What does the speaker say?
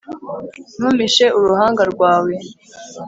ntumpishe uruhanga rwawe